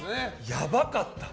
やばかった！